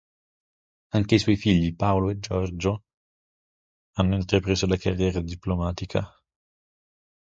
Anche i suoi figli, Paolo e Giorgio, hanno intrapreso la carriera diplomatica.